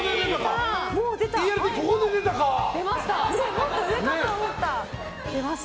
もっと上かと思った。